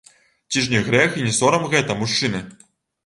Ці ж не грэх і не сорам гэта, мужчыны?